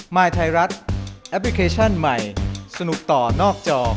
ยไทยรัฐแอปพลิเคชันใหม่สนุกต่อนอกจอ